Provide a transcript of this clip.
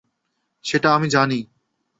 সেটা আমি জানি।